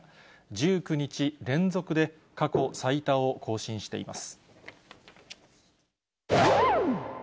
１９日連続で過去最多を更新しています。